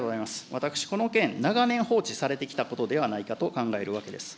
私、この件、長年放置されてきたことではないかと考えるわけです。